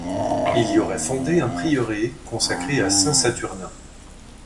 Il y aurait fondé un prieuré consacré à saint Saturnin.